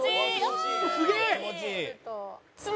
すげえ！